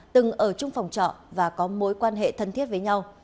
từng ở chung phòng trọ và có mối quan hệ thân thiết với nhau